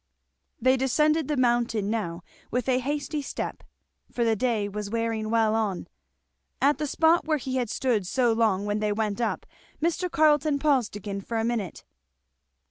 They descended the mountain now with a hasty step, for the day was wearing well on. At the spot where he had stood so long when they went up, Mr. Carleton paused again for a minute.